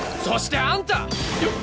そしてあんた！